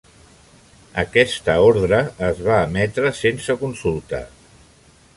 Aquesta ordre es va emetre sense consulta.